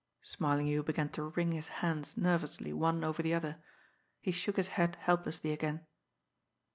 Smarlinghue began to wring his hands nervously one over the other. He shook his head helplessly again.